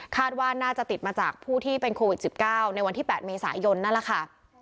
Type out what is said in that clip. ว่าน่าจะติดมาจากผู้ที่เป็นโควิด๑๙ในวันที่๘เมษายนนั่นแหละค่ะ